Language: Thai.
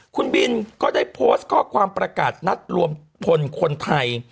คุณบินก็ได้โพสต์ข้อความประกาศนัดรวมพลคนไทย